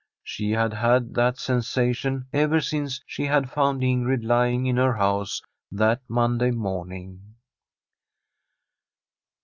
She had had that sensation ever since she had found Ingrid lying in her house that Monday morning.